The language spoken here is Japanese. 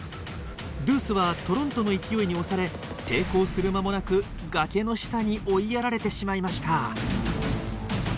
ドゥースはトロントの勢いに押され抵抗する間もなく崖の下に追いやられてしまいました。